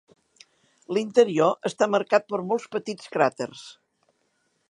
L'interior està marcat per molts petits cràters.